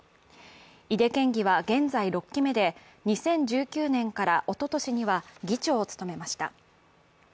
井手県議は現在６期目で、２０１９年からおととしには議長を務めました。